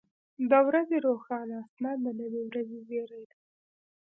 • د ورځې روښانه اسمان د نوې ورځې زیری دی.